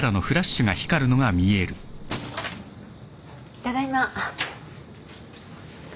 ただいま。